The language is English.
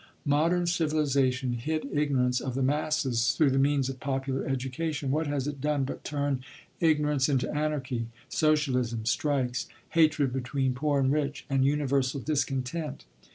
Modern civilization hit ignorance of the masses through the means of popular education. What has it done but turn ignorance into anarchy, socialism, strikes, hatred between poor and rich, and universal discontent?